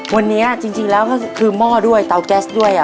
วันนี้จริงแล้วก็คือหม้อด้วยเตาแก๊สด้วย